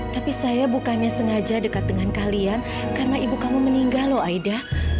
tapi saya bukannya sengaja dekat dengan kalian karena ibu kamu meninggal lho aida